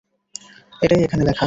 এটাই এখানে লেখা।